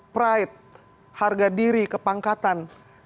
kebencian harga diri kepangkatan